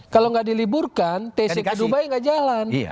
kalau gak diliburkan tsi ke dubai gak jalan